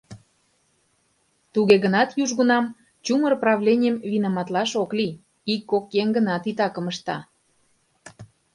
Туге гынат южгунам чумыр правленийым винаматлаш ок лий, ик-кок еҥ гына титакым ышта.